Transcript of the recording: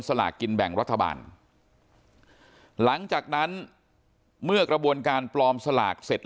สลากกินแบ่งรัฐบาลหลังจากนั้นเมื่อกระบวนการปลอมสลากเสร็จ